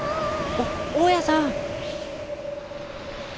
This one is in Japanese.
お大家さん。